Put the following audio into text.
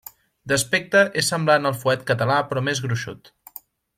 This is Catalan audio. D'aspecte és semblant al fuet català però més gruixut.